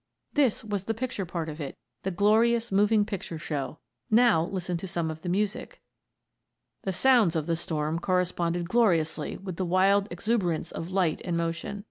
This was the picture part of it the glorious moving picture show. Now listen to some of the music: "The sounds of the storm corresponded gloriously with the wild exuberance of light and motion.